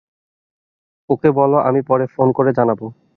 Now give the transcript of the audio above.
ওকে বলো আমি পরে ফোন করে জানাবো।